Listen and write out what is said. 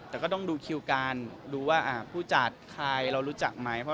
แต่ก็ต้องดูคิวการดูว่าผู้จัดใครเรารู้จักไหม